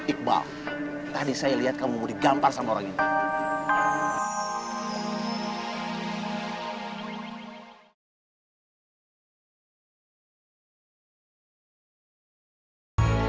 iqbal tadi saya lihat kamu mau digampar sama orang itu